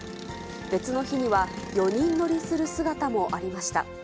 別の日には、４人乗りする姿もありました。